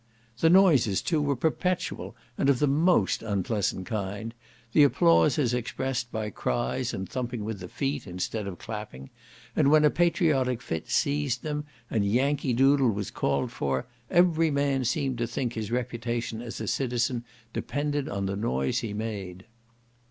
The noises, too, were perpetual, and of the most unpleasant kind; the applause is expressed by cries and thumping with the feet, instead of clapping; and when a patriotic fit seized them, and "Yankee Doodle" was called for, every man seemed to think his reputation as a citizen depended on the noise he made.